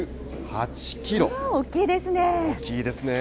大きいですね。